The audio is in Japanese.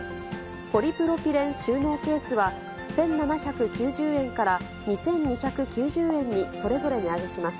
ポリプロピレン収納ケースは１７９０円から２２９０円にそれぞれ値上げします。